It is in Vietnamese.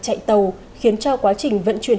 chạy tàu khiến cho quá trình vận chuyển